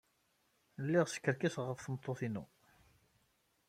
Lliɣ skerkiseɣ ɣef tmeṭṭut-inu.